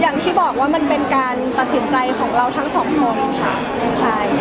อย่างที่บอกว่ามันเป็นการตัดสินใจของเราทั้งสองคนค่ะใช่ค่ะ